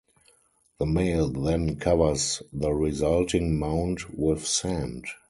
The male then covers the resulting mound with sand.